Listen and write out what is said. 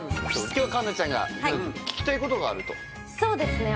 今日環奈ちゃんが聞きたいことがあるとそうですね